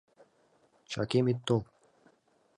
Чакем ит тол!..